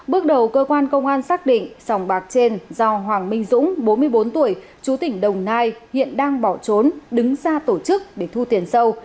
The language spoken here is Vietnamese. bước đầu cơ quan công an xác định sòng bạc trên do hoàng minh dũng bốn mươi bốn tuổi chú tỉnh đồng nai hiện đang bỏ trốn đứng ra tổ chức để thu tiền sâu